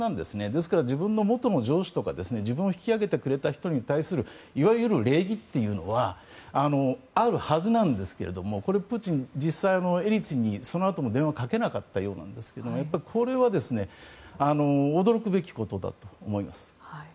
ですから、自分も元の上司とか自分を引き上げてくれた人に対するいわゆる礼儀というのはあるはずなんですけれどもプーチン、実際エリツィンにそのあとも電話をかけなかったようなんですけどもこれは、驚くべきことだと思います。